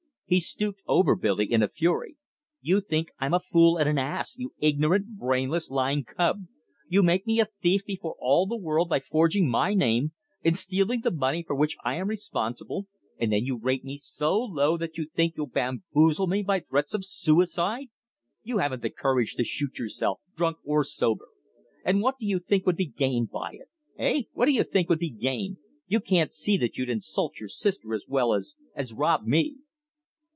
He stooped over Billy in a fury. "You think I'm a fool and an ass you ignorant, brainless, lying cub! You make me a thief before all the world by forging my name, and stealing the money for which I am responsible, and then you rate me so low that you think you'll bamboozle me by threats of suicide. You haven't the courage to shoot yourself drunk or sober. And what do you think would be gained by it? Eh, what do you think would be gained? You can't see that you'd insult your sister as well as as rob me."